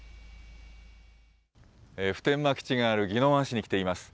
普天間基地がある宜野湾市に来ています。